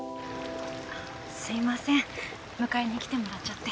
すいません迎えに来てもらっちゃって。